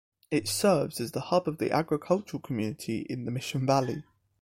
It serves as the hub of the agricultural community in the Mission Valley.